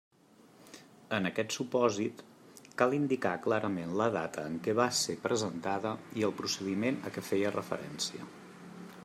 En aquest supòsit, cal indicar clarament la data en què va ser presentada i el procediment a què feia referència.